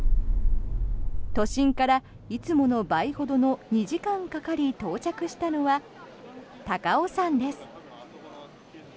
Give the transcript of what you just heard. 都心からいつもの倍ほどの２時間かかり到着したのは高尾山です。